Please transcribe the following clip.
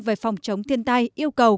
về phòng chống thiên tai yêu cầu